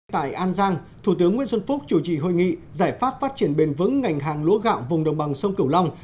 tại an giang thủ tướng nguyễn xuân phúc chủ trì hội nghị giải pháp phát triển bền vững ngành hàng lúa gạo vùng đồng bằng sông cửu long